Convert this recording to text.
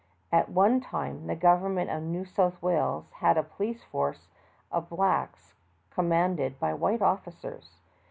At one time the government of New South Wales had a police force of blacks com manded by white officers.